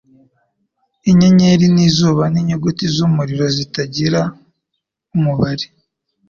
Inyenyeri n'izuba inyuguti z'umuriro zitagira umubare